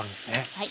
はい。